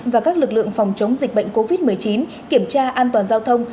và các lực lượng phòng chống dịch bệnh covid một mươi chín kiểm tra an toàn giao thông